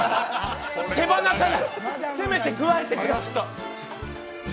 手放さないせめて、くわえてください。